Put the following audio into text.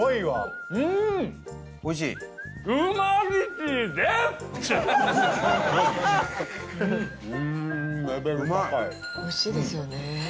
賀来：おいしいですよね。